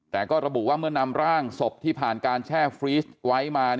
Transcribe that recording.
แต่ก็ระบุว่าเมื่อนำร่างศพที่ผ่านการแช่ฟรีสไว้มา